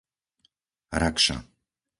Rakša